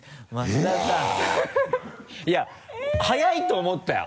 いや早いと思ったよ。